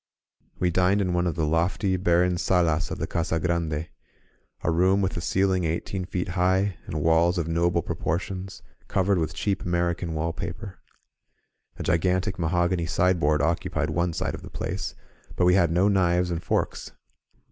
We dined in one of the lofty, barren solas of the Casa Grande ; a room with a ceiling eighteen feet high, and walls of noble proportions, covered with cheap American wallpaper. A gigantic mahogany sideboard occupied one side of the place, but we had no knives and forks.